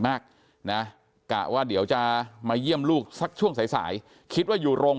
มากนะกะว่าเดี๋ยวจะมาเยี่ยมลูกสักช่วงสายสายคิดว่าอยู่โรง